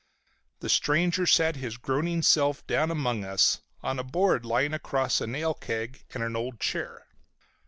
The stranger sat his groaning self down among us, on a board lying across a nail keg and an old chair.